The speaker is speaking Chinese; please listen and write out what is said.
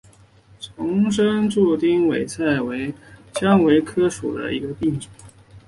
丛生钉柱委陵菜为蔷薇科委陵菜属下的一个变种。